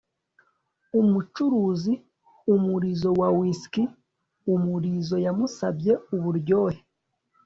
Umucuruzi umurizo wa whisk umurizo yamusabye uburyohe